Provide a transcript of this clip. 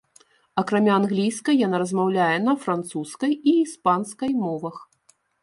Акрамя англійскай яна размаўляе на французскай і іспанскай мовах.